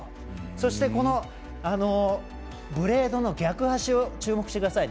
そして、ブレードの逆足を注目してください。